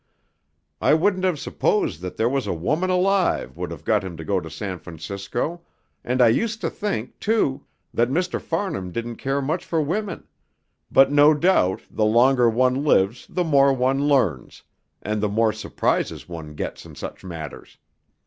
I wouldn't have supposed that there was a woman alive would have got him to go to San Francisco, and I used to think, too, that Mr. Farnham didn't care much for women; but no doubt the longer one lives the more one learns, and the more surprises one gets in such matters.